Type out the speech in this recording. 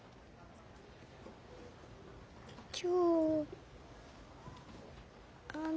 今日あの。